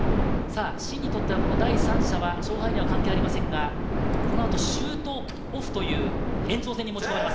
シンにとっては第３射は勝敗には関係ありませんが、このあとシュートオフという延長戦に持ち込まれます。